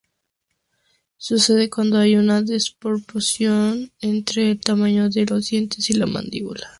Sucede cuando hay una desproporción entre el tamaño de los dientes y la mandíbula.